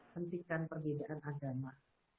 hentikan perbedaan agama